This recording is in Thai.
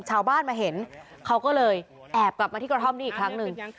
ชาวบ้านมาเห็นเขาก็เลยแอบกลับมาที่กระท่อมนี้อีกครั้งหนึ่ง